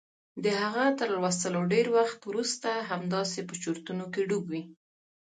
د هغه تر لوستلو ډېر وخت وروسته همداسې په چورتونو کې ډوب و.